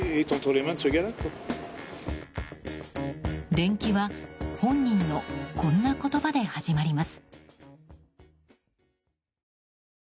伝記は、本人のこんな言葉で始まります。